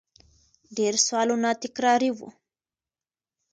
ډېر سوالونه تکراري وو